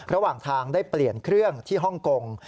ระหว่างทางได้เปลี่ยนเครื่องที่ฮ่องกง